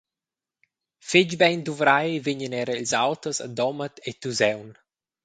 Fetg bein duvrai vegnien era ils autos a Domat e Tusaun.